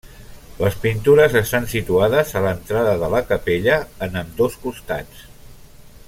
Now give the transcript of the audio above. Les pintures estan situades a l'entrada de la capella en ambdós costats.